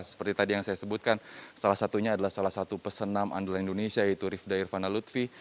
seperti tadi yang saya sebutkan salah satunya adalah salah satu pesenam andalan indonesia yaitu rifda irvana lutfi